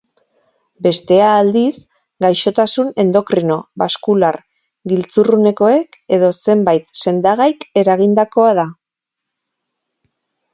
Bestea aldiz, gaixotasun endokrino, baskular, giltzurrunekoek edo zenbait sendagaik eragindakoa da.